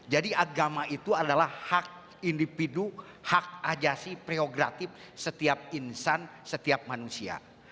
jadi agama itu adalah hak individu hak ajasi priogratif setiap insan setiap manusia